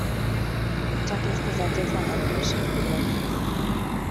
Csak ezt az egyetlenegy mesét tudod?